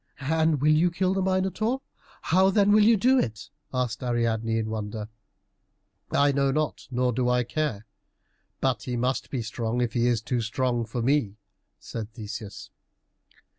"And will you kill the Minotaur? How then will you do it?" asked Ariadne in wonder. "I know not, nor do I care, but he must be strong if he be too strong for me," said Theseus.